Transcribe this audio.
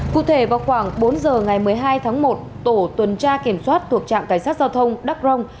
cụ thể vào khoảng bốn giờ ngày một mươi hai tháng một tổ tuần tra kiểm soát thuộc trạm cảnh sát giao thông đắc rông